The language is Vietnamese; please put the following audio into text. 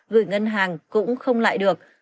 gửi ngân hàng cũng không lại được